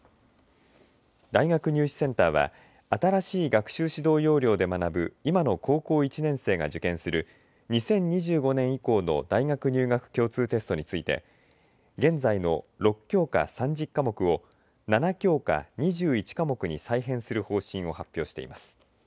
大学入試センターは新しい学習指導要領で学ぶ今の高校１年生が受験する２０２５年以降の大学入学共通テストについて現在の６教科、３０科目を７教科、２１科目に再編する方針を発表しています。